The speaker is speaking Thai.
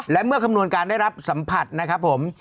และเมื่อคำนวณการได้รับสัมผัสนะครับผม